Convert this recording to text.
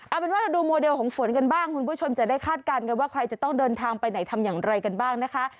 เอาเป็นว่าเราดูโมเดลของฝนกันบ้างคุณผู้ชมจะได้คาดการณ์กันว่าใครจะต้องเดินทางไปไหนทำอย่างไรกันบ้างนะคะ